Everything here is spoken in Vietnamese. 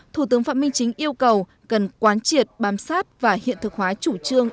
thủ tướng phạm minh chính yêu cầu cần quán triệt bám sát và hiện thực hóa chủ trương